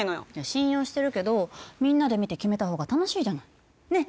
信用してるけどみんなで見て決めた方が楽しいじゃないねっ